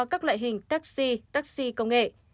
các loại hình taxi taxi công nghệ